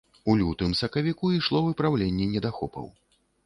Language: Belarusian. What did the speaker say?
У лютым-сакавіку ішло выпраўленне недахопаў.